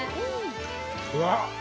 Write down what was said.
・うわっ！